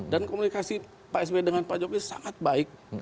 dan komunikasi pak sby dengan pak jokowi sangat baik